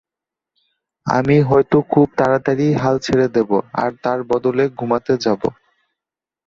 আমি হয়তো খুব তারাতারিই হাল ছেড়ে দেব, আর তার বাদলে ঘুমাতে যাবো।